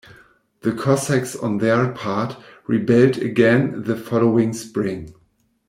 The Cossacks on their part rebelled again the following spring.